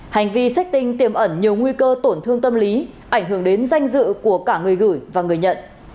hành vi sách tinh tiềm ẩn nhiều nguy cơ tổn thương tâm lý ảnh hưởng đến danh dự của cả người gửi và người nhận